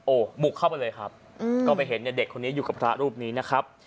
โอ้โหบุกเข้าไปเลยครับก็ไปเห็นเนี่ยเด็กคนนี้อยู่กับพระรูปนี้นะครับ